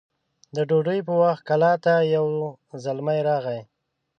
د ډوډۍ په وخت کلا ته يو زلمی راغی